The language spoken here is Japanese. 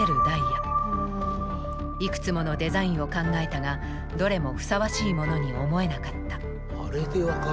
いくつものデザインを考えたがどれもふさわしいものに思えなかった。